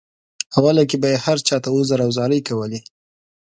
اوله کې به یې هر چاته عذر او زارۍ کولې.